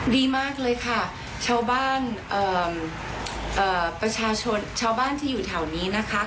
ดีมากเลยค่ะชาวบ้านประชาชนชาวบ้านที่อยู่แถวนี้นะคะ